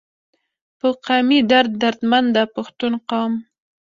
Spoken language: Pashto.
پۀ قامي درد دردمند د پښتون قام